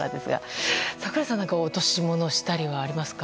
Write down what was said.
櫻井さん、落とし物したりはありますか？